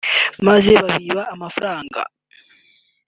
maze babiba amafaranga